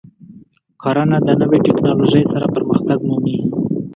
کرنه د نوې تکنالوژۍ سره پرمختګ مومي.